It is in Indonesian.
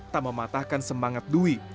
tak mematahkan semangat dwi